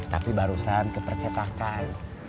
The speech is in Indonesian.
tapi barusan kepercetakan